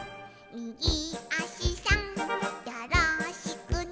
「みぎあしさんよろしくね」